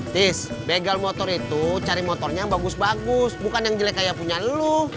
tis begal motor itu cari motornya bagus bagus bukan yang jelek kayak punya lu